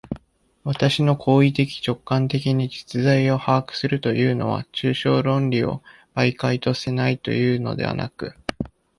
私の行為的直観的に実在を把握するというのは、抽象論理を媒介とせないというのではなく、